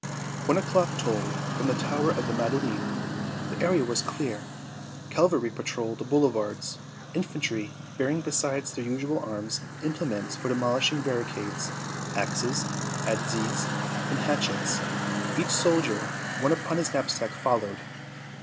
One o'clock tolled from the tower of the Madeleine. The area was clear. Cavalry patrolled the boulevards. Infantry, bearing, besides their usual arms, implements for demolishing barricades axes, adzes and hatchets each soldier one upon his knapsack, followed.